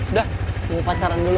udah mau pacaran dulu